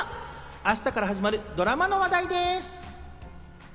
明日から始まるドラマの話題です。